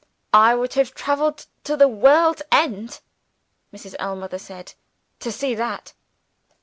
"I would have traveled to the world's end," Mrs. Ellmother said, "to see _that!